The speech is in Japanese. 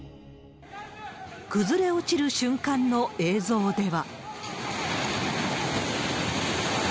崩れ落ちる瞬間の映像では。